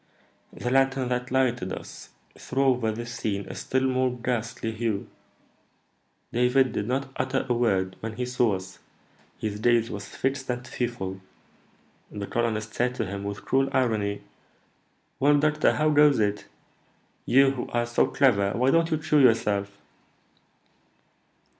The lantern that lighted us threw over this scene a still more ghastly hue. David did not utter a word when he saw us; his gaze was fixed and fearful. The colonist said to him, with cruel irony, 'Well, doctor, how goes it? You, who are so clever, why don't you cure yourself?'